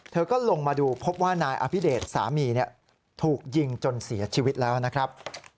เธอก็ลงมาดูพบว่านายอภิเดชสามีถูกยิงจนเสียชีวิตแล้วนะครับ